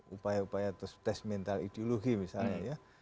upaya upaya tes mental ideologi misalnya ya